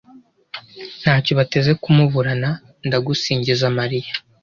ntacyo bateze kumuburana, ndagusingiza mariya